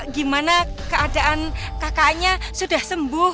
gimana keadaan kakaknya sudah sembuh